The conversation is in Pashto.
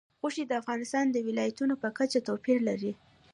غوښې د افغانستان د ولایاتو په کچه توپیر لري.